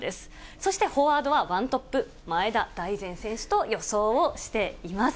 そしてフォワードはワントップ、前田大然選手と予想をしています。